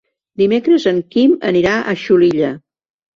Dimecres en Quim anirà a Xulilla.